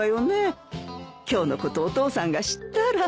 今日のことお父さんが知ったら。